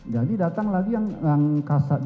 jadi datang lagi yang kasat dari